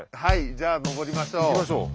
じゃあ登りましょう。